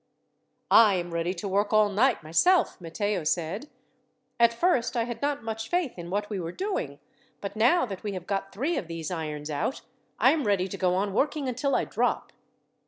"I am ready to work all night, myself," Matteo said. "At first I had not much faith in what we were doing; but now that we have got three of these irons out, I am ready to go on working until I drop."